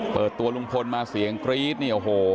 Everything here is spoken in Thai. เปิดตัวลุงพลมาเสียงกรี๊ดเนี่ยโอ้โห